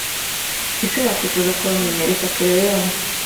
Ese wakwifuza kubamenya Reka turebe bamwe